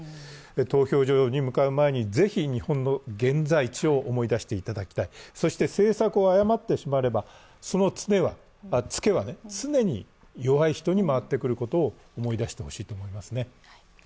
投票所に向かう前にぜひ日本の現在地を思い出していただきたい、そして政策を誤ってしまえばそのつけは常に弱い人に回ってくることを思い出してほしいと思いますね。